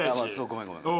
ごめんごめん。